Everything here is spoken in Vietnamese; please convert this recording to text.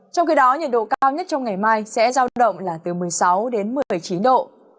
trong khi đó nhiệt độ cao nhất trong ngày mai sẽ giao động là từ một mươi sáu đến một mươi chín độ